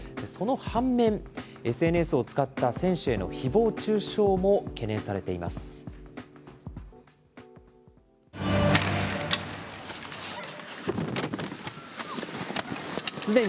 その反面、ＳＮＳを使った選手へのひぼう中傷も懸念されています。